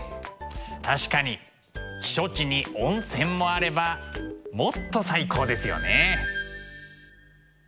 確かに避暑地に温泉もあればもっと最高ですよね。